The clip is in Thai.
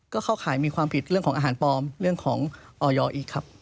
ก็เข้าข่ายมีความผิดเรื่องของอาหารปลอมเรื่องของออยอีกครับ